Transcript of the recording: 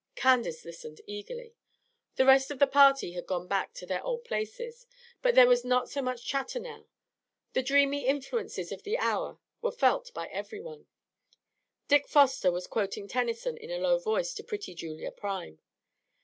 Candace listened eagerly. The rest of the party had gone back to their old places, but there was not so much chatter now. The dreamy influences of the hour were felt by every one. Dick Foster was quoting Tennyson in a low voice to pretty Julia Prime.